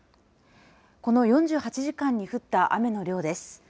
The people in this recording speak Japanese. この４８時間に降った雨の量です。